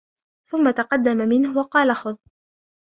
ثم تقدم منه وقال خذ